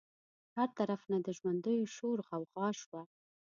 هر طرف ته د ژوندیو شور غوغا شوه.